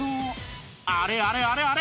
あれあれあれあれ！